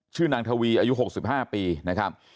ชื่อนางทวีอายุ๖๕ปีนะครับ